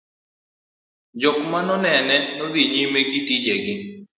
jok ma nonene nodhi nyime gi tije gi